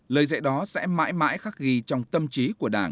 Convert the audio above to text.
lời dạy đó sẽ mãi mãi khắc ghi trong tâm trí của đảng